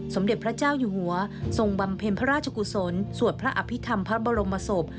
สมเด็จพระเจ้าอยู่หัวทรงบำเพ็ญพระราชกุศลสวดพระอภิษฐรรมพระบรมศพ